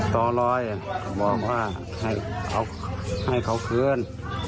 ต่อร้อยบอกว่าให้เค้าเคลื่อน